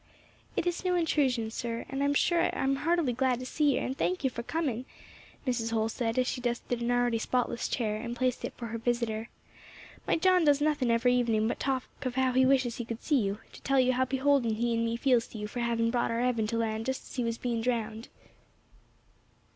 "It is no intrusion, sir, and I am sure I am heartily glad to see yer, and thank ye for coming," Mrs. Holl said, as she dusted an already spotless chair and placed it for her visitor. "My John does nothing every evening but talk of how he wishes he could see you, to tell you how beholden he and me feels to you for having brought our Evan to land just as he was being drowned."